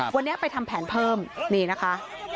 วันนี้ไปทำแผนเพิ่มนี่นะคะ